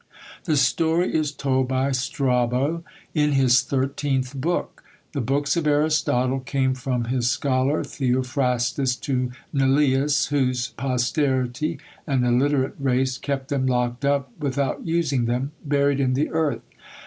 The story is told by Strabo, in his thirteenth book. The books of Aristotle came from his scholar Theophrastus to Neleus, whose posterity, an illiterate race, kept them locked up without using them, buried in the earth!